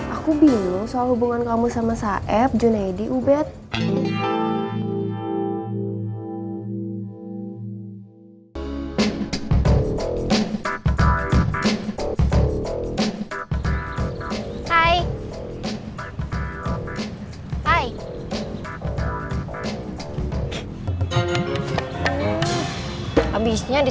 aku bingung soal hubungan kamu sama saeb juneidi ubed